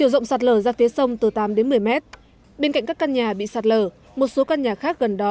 rộng sạt lở ra phía sông từ tám đến một mươi mét bên cạnh các căn nhà bị sạt lở một số căn nhà khác gần đó